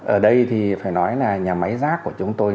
ở đây thì phải nói là nhà máy rác của chúng tôi